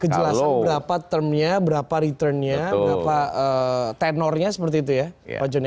kejelasan berapa termnya berapa returnnya berapa tenornya seperti itu ya pak joni